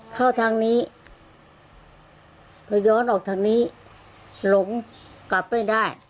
เข้าทางนี้พอย้อนออกทางนี้หลงกลับไม่ได้